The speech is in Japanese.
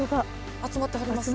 集まってはりますね。